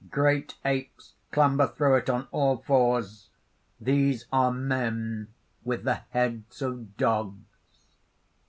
Great apes clamber through it on all fours: these are men with the heads of dogs.